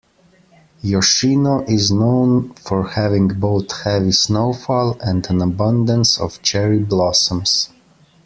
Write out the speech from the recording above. "Yoshino" is known for having both heavy snowfall and an abundance of cherry blossoms.